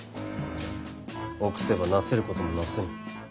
臆せばなせることもなせぬ。